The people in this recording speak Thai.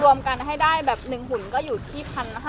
รวมกันให้ได้แบบ๑หุ่นก็อยู่ที่๑๕๐๐